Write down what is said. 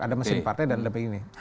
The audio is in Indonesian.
ada mesin partai dan ada begini